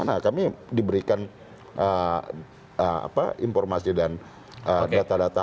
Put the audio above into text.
nah kami diberikan informasi dan data data hasil bpk